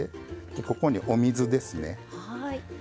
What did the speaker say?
でここにお水ですね。